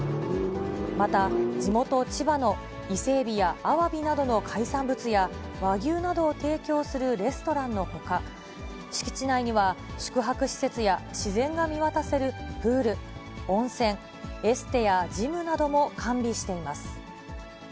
また地元、千葉の伊勢エビやアワビなどの海産物や、和牛などを提供するレストランのほか、敷地内には、宿泊施設や自然が見渡せるプール、温泉、エステやジムなども完備しています。